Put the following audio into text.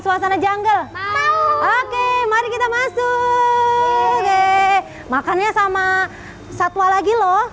suasana jungle oke mari kita masuk oke makannya sama satwa lagi loh